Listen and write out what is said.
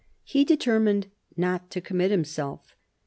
He determined not to commit himself.